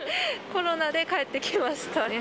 コロナで帰ってきましたね。